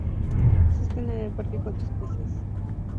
Existen en el parque cuatro especies de mamíferos amenazados en Suecia.